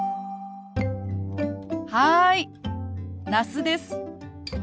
はい那須です。